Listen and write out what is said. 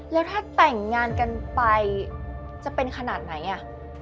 แล้วถ้าแต่งงานกันไปจะเป็นขนาดไหนอ่ะ